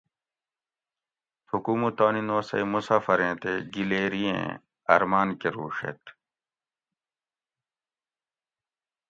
تھوکو مو تانی نوسئی مسافریں تے گلیریں ارمان کروڛیت